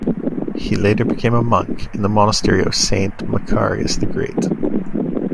He later became a monk in the Monastery of Saint Macarius the Great.